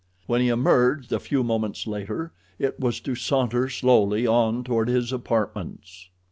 When he emerged a few moments later it was to saunter slowly on toward his apartments.